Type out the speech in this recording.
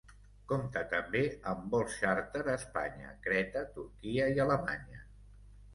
Compta també amb vols xàrter a Espanya, Creta, Turquia i Alemanya.